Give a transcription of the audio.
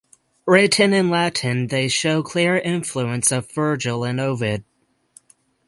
Written in Latin they show clear influence of Virgil and Ovid.